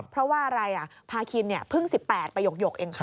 เพราะว่าอะไรอ่ะภาคินเนี่ยเพิ่ง๑๘ประโยคเองค่ะ